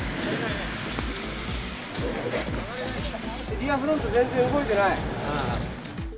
ギアフロント全然動いてない。